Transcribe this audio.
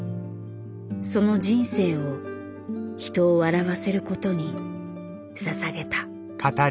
その人生を人を笑わせることにささげた。